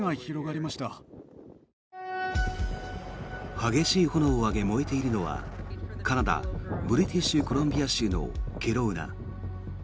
激しい炎を上げ燃えているのはカナダ・ブリティッシュコロンビア州のケロウナ。